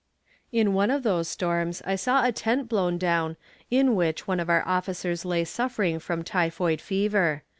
In one of those storms, I saw a tent blown down, in which one of our officers lay suffering from typhoid fever.